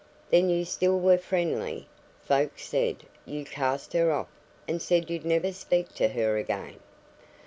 "Then you still were friendly. Folks said you'd cast her off, and said you'd never speak to her again."